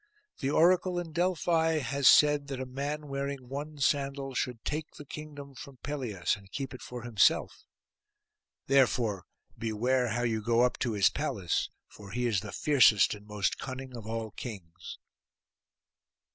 The oracle in Delphi has said that a man wearing one sandal should take the kingdom from Pelias, and keep it for himself. Therefore beware how you go up to his palace, for he is the fiercest and most cunning of all kings.